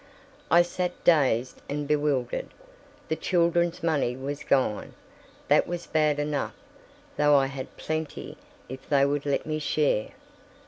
I sat dazed and bewildered. The children's money was gone: that was bad enough, though I had plenty, if they would let me share.